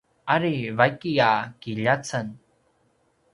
ari vaiki a kiljaceng